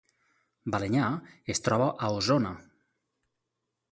Balenyà es troba a Osona